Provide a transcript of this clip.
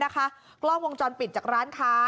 กล้องวงจรปิดจากร้านค้า